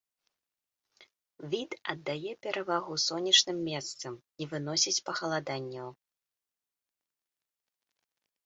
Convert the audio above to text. Від аддае перавагу сонечным месцам, не выносіць пахаладанняў.